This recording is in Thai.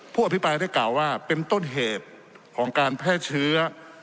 อภิปรายได้กล่าวว่าเป็นต้นเหตุของการแพร่เชื้อ